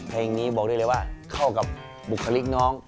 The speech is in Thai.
เพลงนี้บอกได้เลยว่าเข้ากับบุคลิกน้อง